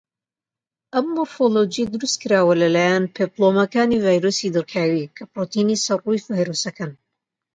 ئەم مۆرفۆلۆجیە دروستکرا لەلایەن پێپلۆمەکانی ڤایرۆسی دڕکاوی، کە پڕۆتینی سەر ڕووی ڤایرۆسەکەن.